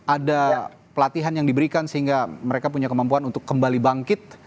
ada pelatihan yang diberikan sehingga mereka punya kemampuan untuk kembali bangkit